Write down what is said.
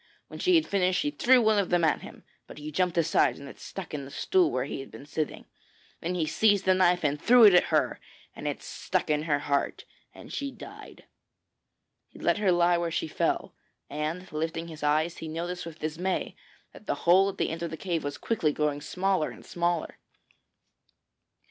When she had finished she threw one of them at him, but he jumped aside and it stuck in the stool where he had been sitting. Then he seized the knife and threw it at her, and it stuck in her heart and she died. He let her lie where she fell, and lifting his eyes he noticed with dismay that the hole at the end of the cave was quickly growing smaller and smaller.